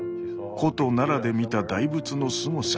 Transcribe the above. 古都奈良で見た大仏のすごさ。